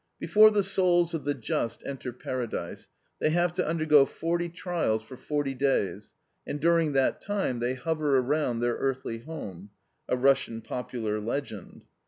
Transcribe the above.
"Before the souls of the just enter Paradise they have to undergo forty trials for forty days, and during that time they hover around their earthly home." [A Russian popular legend.